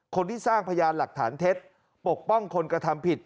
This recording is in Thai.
คนที่สร้างพยานหลักฐานเท็จปกป้องคนกระทำผิด